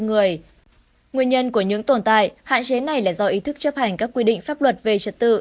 nguyên nhân của những tồn tại hạn chế này là do ý thức chấp hành các quy định pháp luật về trật tự